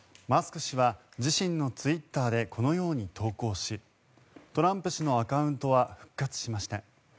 マスク氏は自身のツイッターでこのように投稿しトランプ氏のアカウントは復活しました。